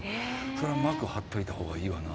そりゃ膜張っといたほうがいいわな。